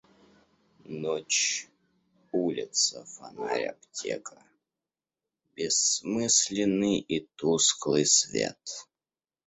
Ночь, улица, фонарь, аптека, Бессмысленный и тусклый свет.